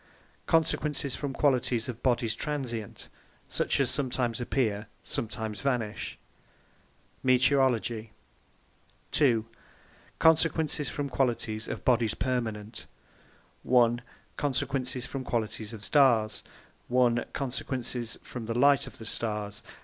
Consequences from the Qualities of Bodies Transient, such as sometimes appear, sometimes vanish METEOROLOGY b. Consequences from the Qualities of Bodies Permanent 1) Consequences from the Qualities of the Starres a) Consequences from the Light of the Starres.